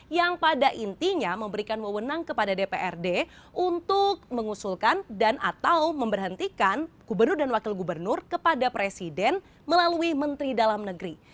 yang pada intinya memberikan mewenang kepada dprd untuk mengusulkan dan atau memberhentikan gubernur dan wakil gubernur kepada presiden melalui menteri dalam negeri